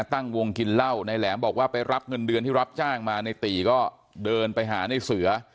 ตั้งวงกินเหล้าในแหลมบอกว่าไปรับเงินเดือนที่รับจ้างมาในตีก็เดินไปหาในเสือ